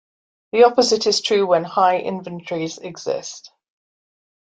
The opposite is true when high inventories exist.